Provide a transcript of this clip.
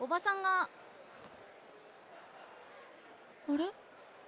あれ？